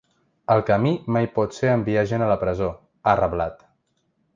El camí mai pot ser enviar gent a la presó, ha reblat.